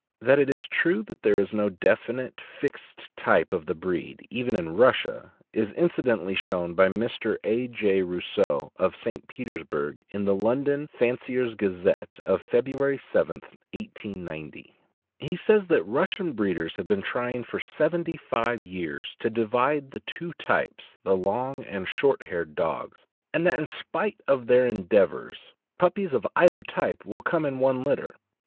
That it is true that there is no definite, fixed type of the breed, even in Russia, is incidentally shown by Mr. A. J. Rosseau, of St. Petersburg, in the London Fancier's Gazette of February 7, 1890. He says that Russian breeders have been trying for seventy five years to divide the two types, the long and short haired dogs, and that, in spite of their endeavors, puppies of either type will come in one litter.